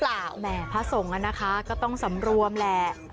ถ้าสงนะคะก็ต้องสำรวมแหละ